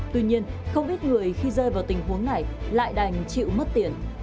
tuy nhiên không ít người khi rơi vào tình huống này lại đành chịu mất tiền